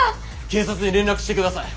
警察に連絡して下さい。